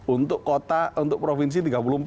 untuk kota untuk provinsi tiga puluh empat